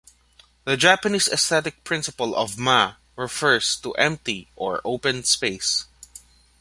The Japanese aesthetic principle of Ma refers to empty or open space.